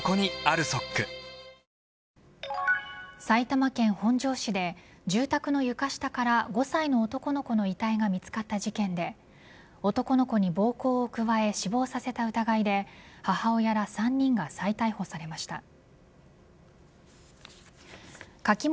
埼玉県本庄市で住宅の床下から５歳の男の子の遺体が見つかった事件で男の子に暴行を加え死亡させた疑いで母親ら３人が再逮捕されました。